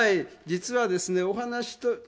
実はですねお話と。